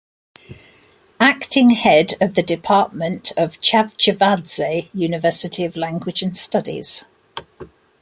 Acting Head of the Department of Chavchavadze University of Language and Studies.